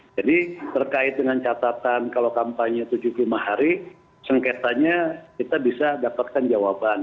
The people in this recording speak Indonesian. jadi terkait dengan catatan kalau kampanye tujuh puluh lima hari sengketanya kita bisa dapatkan jawaban